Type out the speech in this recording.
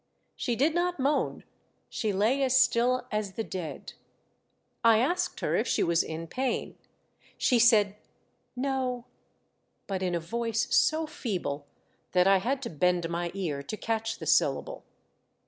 She did not moan ; she lay as still as the dead. I asked her if she was in pain. She said "No," but in a voice so feeble that I had to bend my ear to catch the syllable.